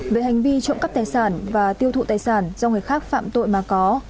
về hành vi trộm cắp tài sản và tiêu thụ tài sản do người khác phạm tội mà có